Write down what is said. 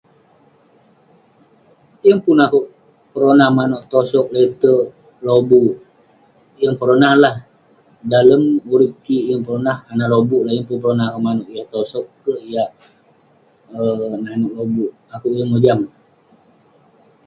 Yeng pun akouk peronah manouk, tosog leterk lobuk. Yeng peronah lah. Dalem urip kik, yeng peronah, anh lobuk ineh, yeng pun peronah akouk manouk tosog leterk yah nanouk lobuk. Akouk yeng mojam.